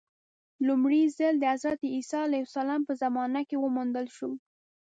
لومړی ځل د حضرت عیسی علیه السلام په زمانه کې وموندل شو.